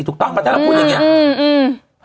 ถูกต้องกันแต่เราพูดอย่างเงี้ยอืมอืมอืม